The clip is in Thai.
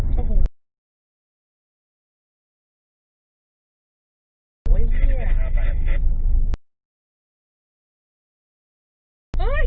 แกมามีชีวิตเว้ย